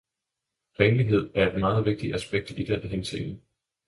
Renlighed er et meget vigtigt aspekt i den henseende.